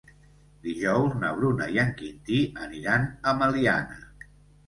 Dijous na Bruna i en Quintí aniran a Meliana.